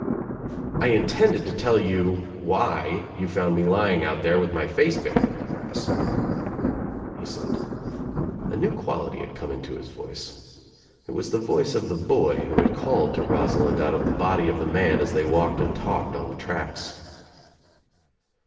"I intended to tell you why you found me lying out there with my face buried in the grass," he said. A new quality had come into his voice. It was the voice of the hoy who had called to Rosalind out of the body of the man as they walked and talked on the traclts.